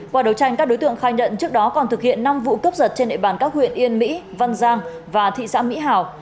qua đấu tranh các đối tượng khai nhận trước đó còn thực hiện năm vụ cướp giật trên địa bàn các huyện yên mỹ văn giang và thị xã mỹ hảo